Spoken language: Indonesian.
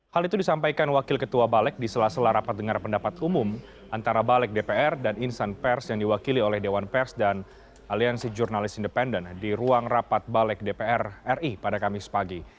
hal itu disampaikan wakil ketua balek di sela sela rapat dengar pendapat umum antara balek dpr dan insan pers yang diwakili oleh dewan pers dan aliansi jurnalis independen di ruang rapat balek dpr ri pada kamis pagi